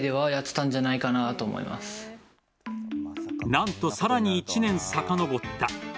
何と、さらに１年さかのぼった。